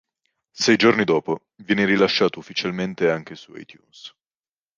Sei giorni dopo viene rilasciato ufficialmente anche su iTunes.